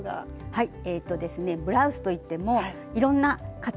はい。